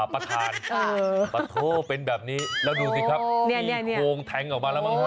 ประโทษเป็นแบบนี้แล้วดูสิครับมีโครงแทงก์ออกมาแล้วมั้งครับ